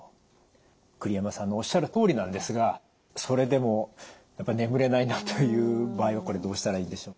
栗山さんのおっしゃるとおりなんですがそれでも眠れないなという場合はこれどうしたらいいでしょう？